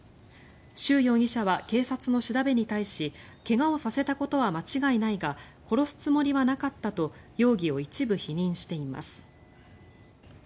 シュ容疑者は警察の調べに対し怪我をさせたことは間違いないが殺すつもりはなかったと容疑を一部否認しています。